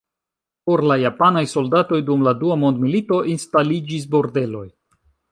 Por la japanaj soldatoj dum la dua mondmilito instaliĝis bordeloj.